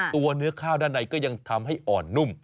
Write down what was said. เนื้อข้าวด้านในก็ยังทำให้อ่อนนุ่ม